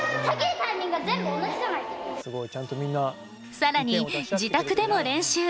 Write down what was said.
さらに、自宅でも練習。